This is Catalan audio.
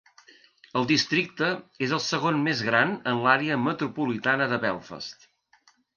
El districte és el segon més gran en l'Àrea Metropolitana de Belfast.